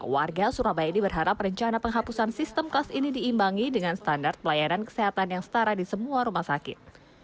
warga surabaya ini berharap rencana penghapusan sistem kas ini diimbangi dengan standar pelayanan kesehatan yang setara di semua rumah sakit